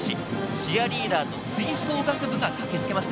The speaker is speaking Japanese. チアリーダーと吹奏楽部が駆けつけました。